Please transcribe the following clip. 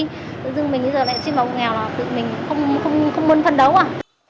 tự dưng mình bây giờ lại trên màu nghèo là tự mình không muốn phân đấu à